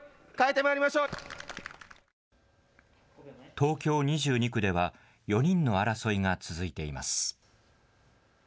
東京２２区では、４人の争いが続いています。